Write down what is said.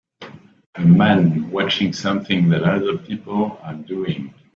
A man watching something that other people are doing.